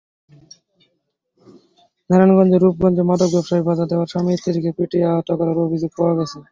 নারায়ণগঞ্জের রূপগঞ্জে মাদক ব্যবসায় বাধা দেওয়ায় স্বামী-স্ত্রীকে পিটিয়ে আহত করার অভিযোগ পাওয়া গেছে।